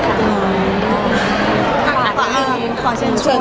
ขอเชิญชวน